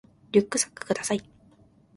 リュックサックください